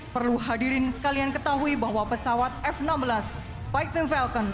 perlu hadirin sekalian ketahui bahwa pesawat f enam belas fighting falcon